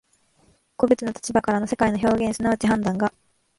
個物の立場からの世界の表現即ち判断が、